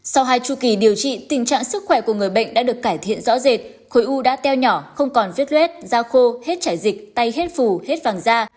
sau hai trụ kỳ điều trị tình trạng sức khỏe của người bệnh đã được cải thiện rõ rệt khối u đã teo nhỏ không còn viết luyết da khô hết trải dịch tay hết phù hết vàng da